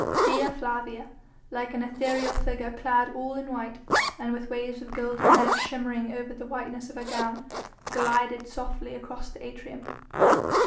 Dea Flavia, like an ethereal figure clad all in white, and with waves of golden hair shimmering over the whiteness of her gown, glided softly across the atrium.